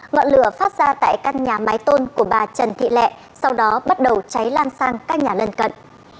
ngọn lửa phát ra tại căn nhà mái tôn của bà trần thị lẹ sau đó bắt đầu cháy lan sang các nhà lân cận